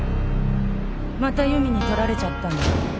また由美に取られちゃったんだ。